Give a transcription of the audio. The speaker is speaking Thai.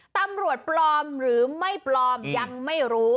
ตำรวจปลอมหรือไม่ปลอมยังไม่รู้